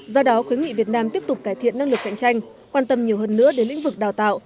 do đó khuyến nghị việt nam tiếp tục cải thiện năng lực cạnh tranh quan tâm nhiều hơn nữa đến lĩnh vực đào tạo